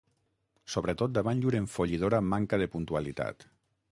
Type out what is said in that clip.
Sobretot davant llur enfollidora manca de puntualitat.